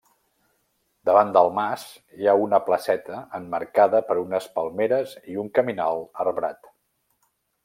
Davant del mas hi ha una placeta, emmarcada per unes palmeres i un caminal arbrat.